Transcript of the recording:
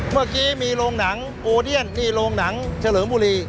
เมื่อกี้มีโรงหนังโอเดียนนี่โรงหนังเฉลิมบุรี